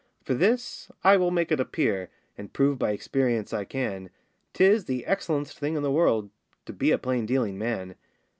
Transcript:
For this I will make it appear, And prove by experience I can, 'Tis the excellen'st thing in the world To be a plain dealing man.